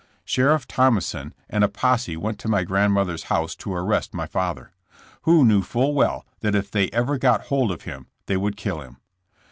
Sheriff Thomason and a posse went to my grandmother's house to arrest my father, who knew full well that if they ever got hold of him they would kill him.